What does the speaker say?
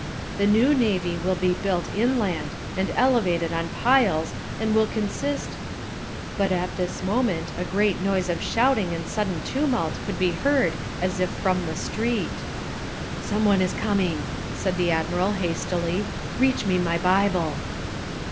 The new navy will be built inland and elevated on piles and will consist " But at this moment a great noise of shouting and sudden tumult could be heard as if from the street. "Some one is coming," said the admiral hastily. "Reach me my Bible."